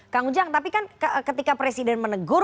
kang ujang tapi kan ketika presiden menegur